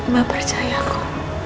mbak percaya aku